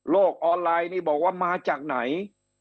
ออนไลน์นี่บอกว่ามาจากไหน